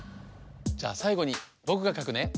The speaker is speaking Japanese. じゃあさいごにぼくがかくね。